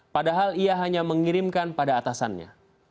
padahal ia hanya mengirimkan pada atasannya